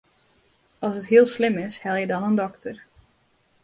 As it hiel slim is, helje dan in dokter.